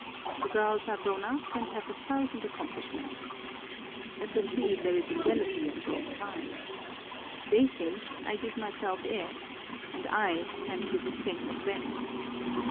The girls are grown up, and have a thousand accomplishments. I perceive there is a jealousy on both sides. They think I give myself airs, and I fancy the same of them.